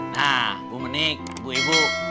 nah bu menik bu ibu